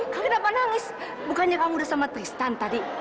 kamu kenapa nangis bukannya kamu udah sama tristan tadi